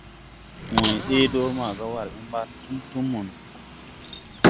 Way ɗee do maaga war ɓɛ mbar ne tum tum mono.